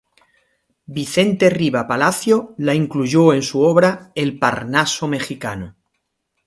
Vicente Riva Palacio la incluyó en su obra "El parnaso mexicano".